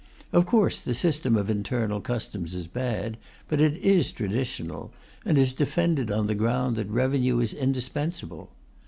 Of course the system of internal customs is bad, but it is traditional, and is defended on the ground that revenue is indispensable.